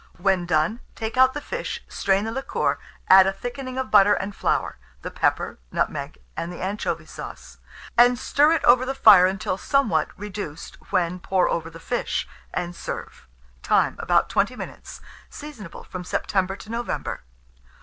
When done, take out the fish, strain the liquor, add a thickening of butter and flour, the pepper, nutmeg, and the anchovy sauce, and stir it over the fire until somewhat reduced, when pour over the fish, and serve. Time. About 20 minutes. Seasonable from September to November.